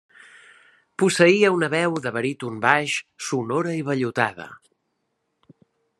Posseïa una veu de baríton-baix sonora i vellutada.